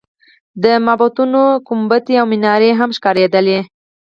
د معبدونو ګنبدونه او منارې هم ښکارېدلې.